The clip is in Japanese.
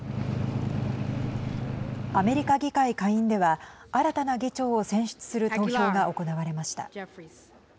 アメリカ議会下院では新たな議長を選出する投票が行われました。